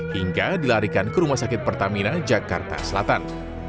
hingga dilarikan ke rumah sakit pertamina jakarta selatan